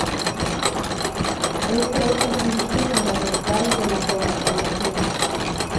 Éste es el principio fundamental de la cromatografía.